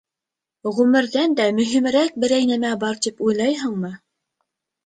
Ғүмерҙән дә мөһимерәк берәй нимә бар тип уйлайһыңмы?